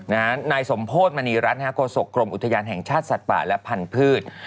นายสมโพธิมณีรัฐโศกรมอุทยานแห่งชาติสัตว์ป่าและพันธุ์